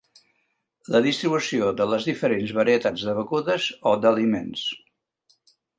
La distribució de les diferents varietats de begudes o d'aliments.